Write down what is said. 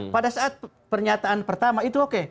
pada saat pernyataan pertama itu oke